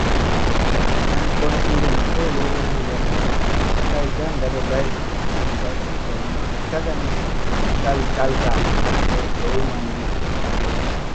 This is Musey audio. An gol iirin kolo hu lona, kay daŋgaada lay an ka fi vama tagan taltalla kay boy manɗi.